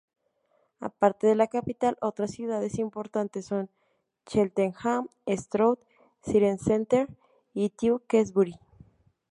Aparte de la capital otras ciudades importantes son Cheltenham, Stroud, Cirencester y Tewkesbury.